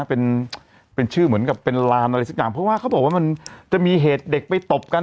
เป็นเป็นชื่อเหมือนกับเป็นลานอะไรสักอย่างเพราะว่าเขาบอกว่ามันจะมีเหตุเด็กไปตบกัน